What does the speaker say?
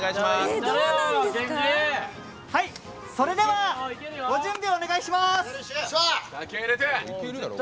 それではご準備お願いします！